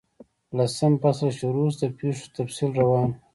لسم فصل شروع شو، د پیښو تفصیل روان وو.